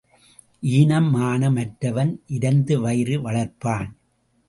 ஈனம் மானம் அற்றவன் இரந்து வயிறு வளர்ப்பான்.